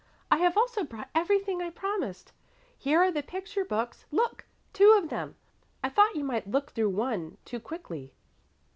"I have also brought everything I promised. Here are the picture books look! two of them. I thought you might look through one too quickly."